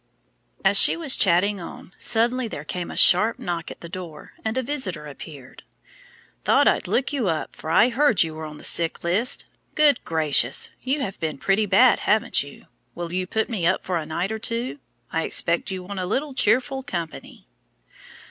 As she was chatting on, suddenly there came a sharp knock at the door, and a visitor appeared. "Thought I'd look you up, for I heard you were on the sick list. Good gracious! you have been pretty bad, haven't you? Will you put me up for a night or two? I expect you want a little cheerful company."